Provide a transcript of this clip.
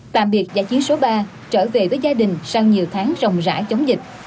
tạm biệt giải chiến số ba trở về với gia đình sau nhiều tháng rộng rãi chống dịch